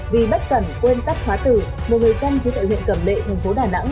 vì bất cẩn quên cắt khóa từ một người công chú tại huyện cẩm lệ thành phố đà nẵng